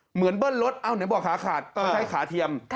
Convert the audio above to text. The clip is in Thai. เหมือนเบิ้ลรถอ้าวเดี๋ยวบอกขาขาดไม่ใช่ขาเทียม